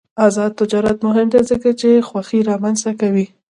آزاد تجارت مهم دی ځکه چې خوښي رامنځته کوي.